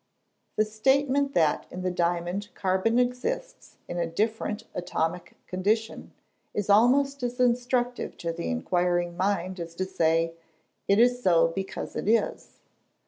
The statement that in the diamond carbon exists in a different atomic condition, is almost as instructive to the inquiring mind, as to say, "It is so, because it is."